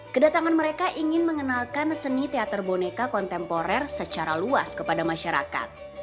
kedatangan mereka ingin mengenalkan seni teater boneka kontemporer secara luas kepada masyarakat